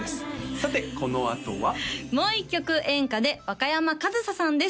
さてこのあとはもう一曲演歌で若山かずささんです